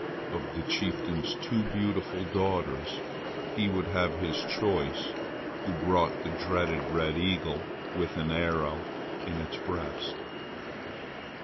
Of the chieftain's two beautiful daughters he would have his choice who brought the dreaded red eagle with an arrow in its breast.